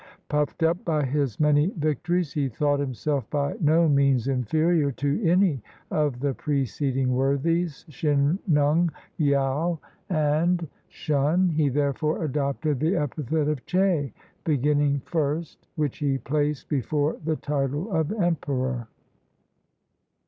Puffed up by his many victories, he thought himself by no means inferior to any of the preceding worthies, Shin nung, Yaou, and 42 THE STRENUOUS REIGN OF HOANG TI Shun ; he therefore adopted the epithet of "Che," " begin ning first," which he placed before the title of emperor.